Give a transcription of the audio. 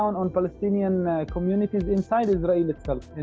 kenapa mereka mencabut komunitas palestina di dalam israel sendiri